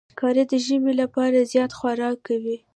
ښکاري د ژمي لپاره زیات خوراک کوي.